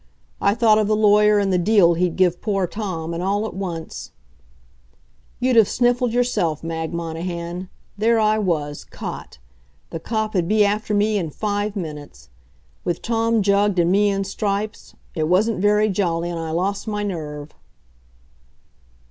I thought of the lawyer and the deal he'd give poor Tom, and all at once You'd have sniffled yourself, Mag Monahan. There I was caught. The cop'd be after me in five minutes. With Tom jugged, and me in stripes it wasn't very jolly, and I lost my nerve.